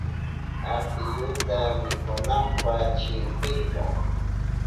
Apiyuta mikunanpa chillpirka.